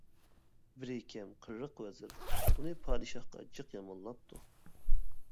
بىرى كەم قىرىق ۋەزىر ئۇنى پادىشاھقا جىق يامانلاپتۇ.